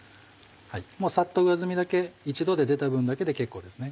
もうサッと上澄みだけ一度で出た分だけで結構ですね。